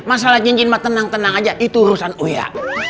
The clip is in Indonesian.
masalah cincin mbak tenang tenang aja itu urusan uya